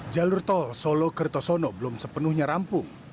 jalur tol solo kertosono belum sepenuhnya rampung